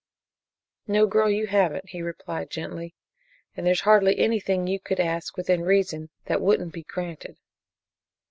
"No, girl, you haven't," he replied gently. "And there's hardly anything you could ask, within reason, that wouldn't be granted."